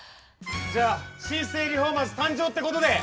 じゃあ新生リフォーマーズ誕生ってことで。